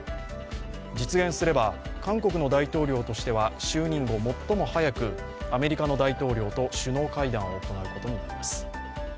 実現すれば韓国の大統領としては就任後最も早く、アメリカの大統領と首脳会談を行うことになります。